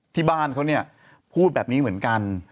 ที่บ้านเขาเนี่ยพูดแบบนี้เหมือนกัน